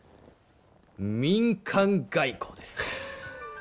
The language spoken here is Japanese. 民間外交です。